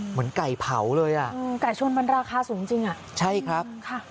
เหมือนไก่เผาเลยอ่ะอืมไก่ชนมันราคาสูงจริงอ่ะใช่ครับค่ะ